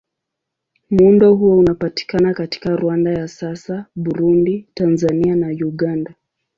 Muundo huo unapatikana katika Rwanda ya sasa, Burundi, Tanzania na Uganda.